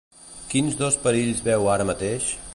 Quins dos perills veu ara mateix?